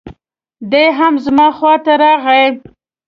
دی هم زما خواته راغی.